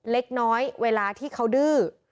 เล็กน้อยเวลาที่เขาดื้อ